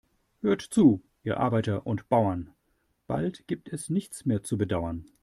Hört zu, ihr Arbeiter und Bauern, bald gibt es nichts mehr zu bedauern.